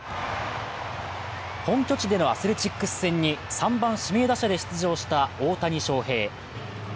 本拠地でのアスレチックス戦に３番指名打者で出場した大谷翔平。